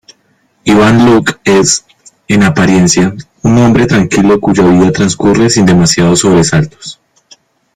Ivan Locke es, en apariencia, un hombre tranquilo cuya vida transcurre sin demasiados sobresaltos.